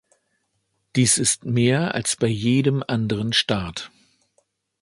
Dies ist mehr als bei jedem anderen Staat.